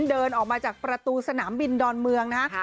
เดินออกมาจากประตูสนามบินดอนเมืองนะฮะ